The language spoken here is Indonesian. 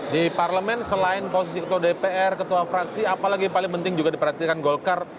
di parlemen selain posisi ketua dpr ketua fraksi apalagi yang paling penting juga diperhatikan golkar